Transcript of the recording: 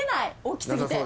大き過ぎて。